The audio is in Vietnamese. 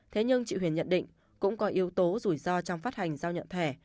thế nhưng chị huyền nhận định cũng có yếu tố rủi ro trong phát hành giao nhận thẻ